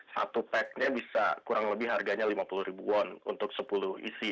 satu packnya bisa kurang lebih harganya lima puluh ribu won untuk sepuluh isi